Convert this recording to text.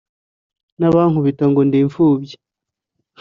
n’abankubita ngo ndi imfubyi